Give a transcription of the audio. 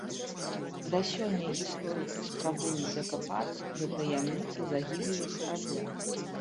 Да сёння гісторыкі спрабуюць дакапацца да таямніцы загібелі карабля.